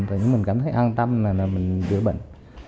cho mình cảm thấy an tâm là mình đỡ bệnh